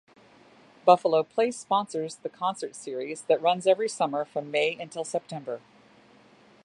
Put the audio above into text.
Buffalo Place sponsors the concert series that runs every summer from May until September.